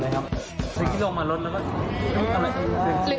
เมื่อกี้ลงมารถแล้วก็